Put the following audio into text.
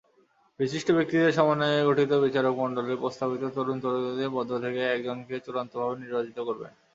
বিশিষ্ট ব্যক্তিদের সমন্বয়ে গঠিত বিচারকমণ্ডলী প্রস্তাবিত তরুণ-তরুণীদের মধ্য থেকে একজনকে চূড়ান্তভাবে নির্বাচিত করবেন।